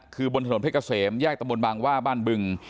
คือบนถนนเพชรเกษมแยกตำบลบางว่าบ้านบึง